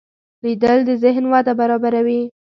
لیدل د ذهن وده برابروي